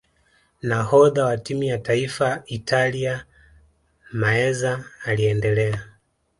nahodha wa timu ya taifa Italia meazza aliendelea